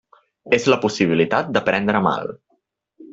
És la possibilitat de prendre mal.